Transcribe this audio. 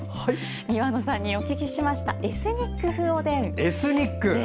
庭乃さんにお聞きしましたエスニック風おでん。